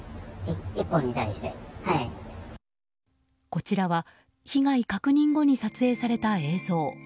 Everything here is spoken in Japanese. こちらは被害確認後に撮影された映像。